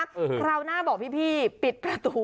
คราวหน้าบอกพี่ปิดประตู